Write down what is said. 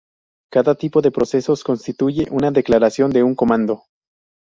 Cada tipo de procesos constituye una declaración de un comando.